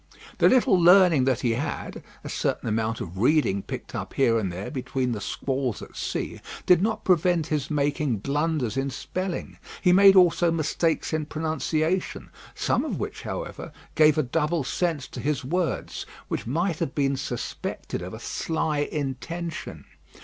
The little learning that he had a certain amount of reading picked up here and there between the squalls at sea did not prevent his making blunders in spelling. He made also mistakes in pronunciation, some of which, however, gave a double sense to his words, which might have been suspected of a sly intention.